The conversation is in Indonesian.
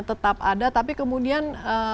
tetap ada tapi kemudian